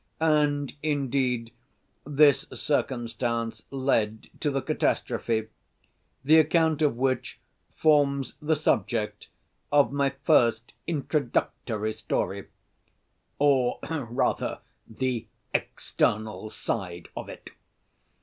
And, indeed, this circumstance led to the catastrophe, the account of which forms the subject of my first introductory story, or rather the external side of it.